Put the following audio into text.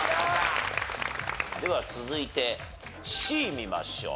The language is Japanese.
では続いてＣ見ましょう。